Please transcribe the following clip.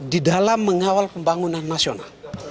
di dalam mengawal pembangunan nasional